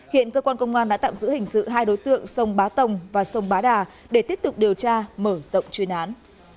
hiện cơ quan công an đã tạm giữ hình sự hai đối tượng sông bá tồng và sông bá đà để tiếp tục điều tra mở rộng chuyên án